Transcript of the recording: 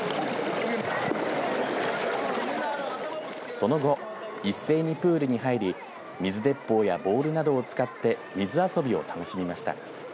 その後、一斉にプールに入り水鉄砲やボールなどを使って水遊びを楽しみました。